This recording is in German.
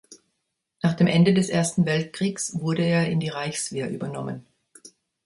Nach dem Ende des Ersten Weltkriegs wurde er in die Reichswehr übernommen.